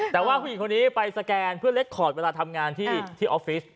แต่ว่าผู้หญิงคนนี้ไปสแกนเพื่อเล็กคอร์ดเวลาทำงานที่ออฟฟิศ